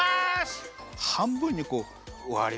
はんぶんにこうわりますね。